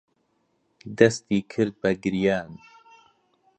دەستی کرد بە گریان.